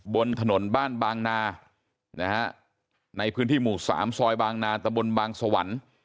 บนถนนบ้านบางนานะฮะในพื้นที่หมู่๓ซอยบางนาตะบนบางสวรรค์